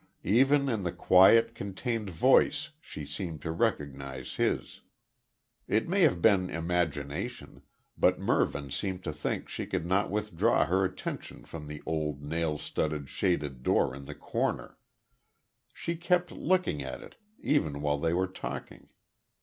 Even in the quiet, contained voice, she seemed to recognise his. It may have been imagination, but Mervyn seemed to think she could not withdraw her attention from the old nail studded, shaded door in the corner. She kept looking at it even while they were talking.